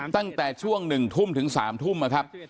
ตั้งแต่ช่วง๑ทุ่มถึง๓ทุ่มนะครับ